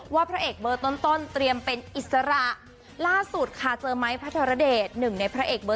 พระเอกเบอร์ต้นต้นเตรียมเป็นอิสระล่าสุดค่ะเจอไม้พระธรเดชหนึ่งในพระเอกเบอร์